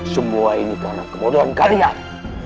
semua ini karena kemudahan kalian